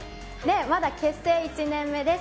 まだ結成１年目です。